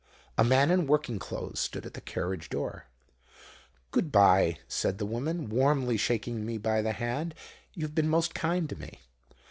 "A man in working clothes stood at the carriage door. "'Good bye,' said the woman, warmly shaking me by the hand; 'you have been most kind to me.'